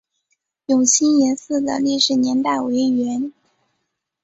永兴岩寺的历史年代为元。